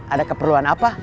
ada keperluan apa